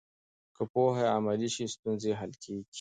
که پوهه عملي شي، ستونزې حل کېږي.